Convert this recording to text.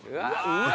うわ！